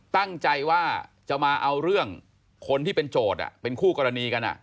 ตั้งใจว่าจะมาเอาเรื่องคนที่เป็นโจทย์เป็นคู่กรณีกัน